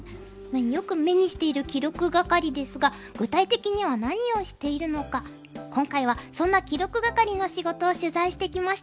よく目にしている記録係ですが具体的には何をしているのか今回はそんな記録係の仕事を取材してきました。